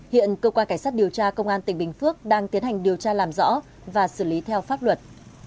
hiện cơ quan cảnh sát điều tra công an tỉnh bình phước đang tiến hành điều tra làm rõ và xử lý theo pháp luật